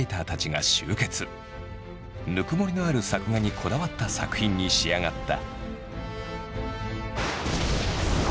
ぬくもりのある作画にこだわった作品に仕上がった。